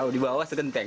di bawah segenteng